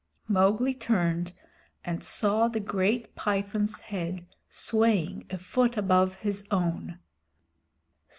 Mowgli turned and saw the great Python's head swaying a foot above his own.